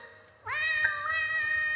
ワンワン！